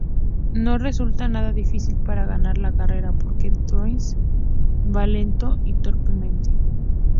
No resulta nada difícil ganar la carrera, porque Tails Doll va lento y torpemente.